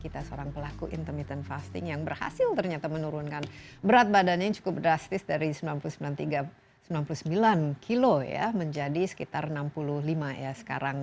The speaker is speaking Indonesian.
kita seorang pelaku intermittent fasting yang berhasil ternyata menurunkan berat badannya cukup drastis dari sembilan puluh sembilan kilo ya menjadi sekitar enam puluh lima ya sekarang